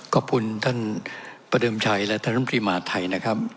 ขอบคุณท่านประเดิมชัยและท่านน้ำตรีมหาธัยนะครับ